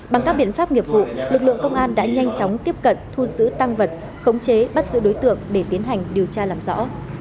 bằng các biện pháp nghiệp vụ lực lượng công an đã nhanh chóng tiếp cận thu giữ tăng vật khống chế bắt giữ đối tượng để tiến hành điều tra làm rõ